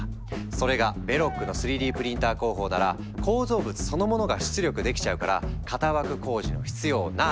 それがベロックの３Ｄプリンター工法なら構造物そのものが出力できちゃうから型枠工事の必要なし！